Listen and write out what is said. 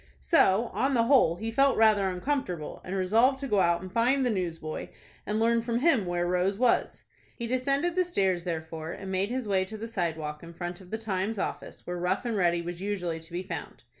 So, on the whole, he felt rather uncomfortable, and resolved to go out and find the newsboy, and learn from him where Rose was. He descended the stairs, therefore, and made his way to the sidewalk in front of the "Times" office, where Rough and Ready was usually to be found.